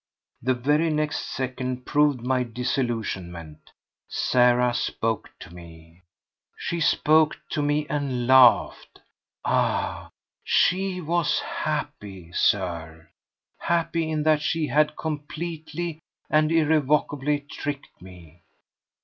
The very next second proved my disillusionment. Sarah spoke to me! She spoke to me and laughed! Ah, she was happy, Sir! Happy in that she had completely and irrevocably tricked me!